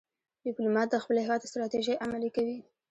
ډيپلومات د خپل هېواد ستراتیژۍ عملي کوي.